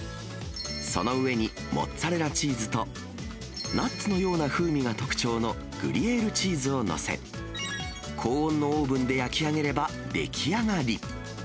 その上に、モッツァレラチーズと、ナッツのような風味が特徴のグリエールチーズを載せ、高温のオーブンで焼き上げれば出来上がり。